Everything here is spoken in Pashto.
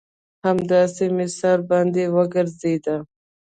همداسې مې سر راباندې وگرځېد.